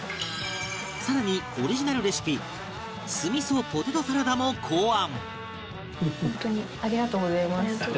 さらにオリジナルレシピ酢味噌ポテトサラダも考案